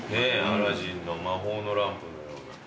『アラジン』の魔法のランプのような。